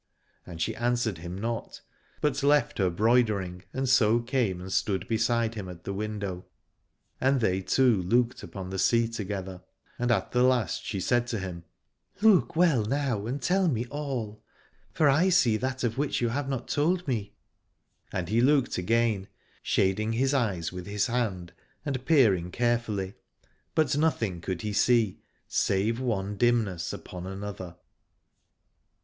And she answered him not, but left her broidering and so came and stood beside him at the window, and they two looked upon the sea together. And at the last she said to him, Look well now and tell me all : for I see that of which you have not 99 Aladore told me. And he looked again, shading his eyes with his hand and peering carefully : but nothing could he see, save one dimness upon another.